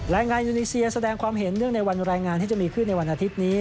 งานยูนีเซียแสดงความเห็นเนื่องในวันแรงงานที่จะมีขึ้นในวันอาทิตย์นี้